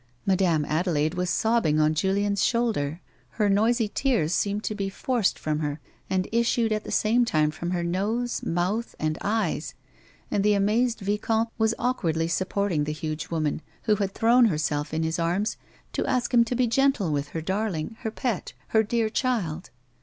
Madame Adelaide was sobbing on Julien's shoulder. Her noisy tears seemed to be forced from her, and issued at the same time from her nose, mouth and eyes, and the amazed vicomte was awkwardly supporting the huge woman, who had thrown herself in his arms to ask him to be gentle with her darling, her pet, her dear child.